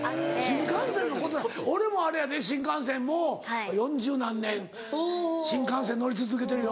新幹線のこと俺もあれやで新幹線もう４０何年新幹線乗り続けてるよ。